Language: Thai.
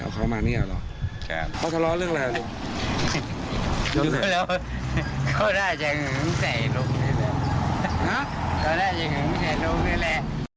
เขาได้ให้ถงใส่ลุงเลยแหละ